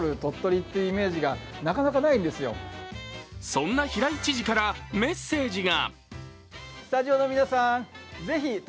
そんな平井知事からメッセージが。